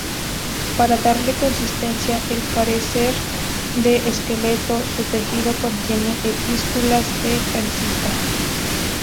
Para darle consistencia, al carecer de esqueleto, su tejido contiene espículas de calcita.